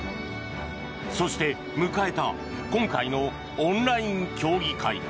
そして迎えた今回のオンライン競技会。